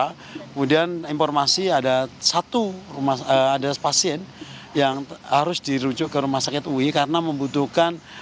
kemudian informasi ada satu pasien yang harus dirujuk ke rumah sakit ui karena membutuhkan